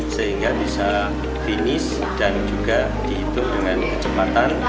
sehingga bisa finish dan juga dihitung dengan kecepatan